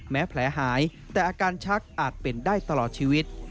แผลหายแต่อาการชักอาจเป็นได้ตลอดชีวิต